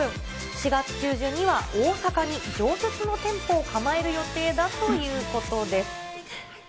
４月中旬には、大阪に常設の店舗を構える予定だということです。